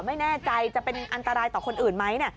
ไม่แน่ใจจะเป็นอันตรายต่อคนอื่นไหม